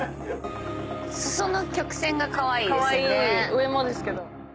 上もですけど。